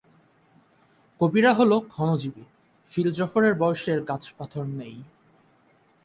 কবিরা হল ক্ষণজীবী, ফিলজফরের বয়সের গাছপাথর নেই।